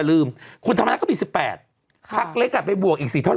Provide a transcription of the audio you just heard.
อืมอย่างเงี้ย